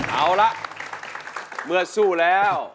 เอาละเมื่อสู้แล้ว